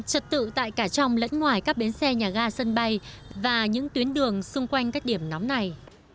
trật tự tại cả trong lẫn ngoài các bến xe nhà ga sân bay và những tuyến đường xung quanh các điểm nóng này